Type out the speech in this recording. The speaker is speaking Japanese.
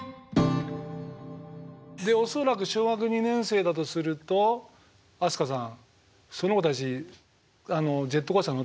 で恐らく小学２年生だとすると飛鳥さんその子たちジェットコースター乗ったことは？